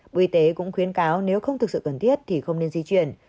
bộ y tế cũng khuyến cáo nếu không thực sự cần thiết thì không nên di chuyển